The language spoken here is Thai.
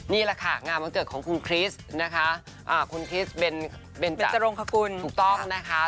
นี่แหละค่ะงานวันเกิดของคุณคริสนะคะคุณคริสเบนจรงคกุลถูกต้องนะคะ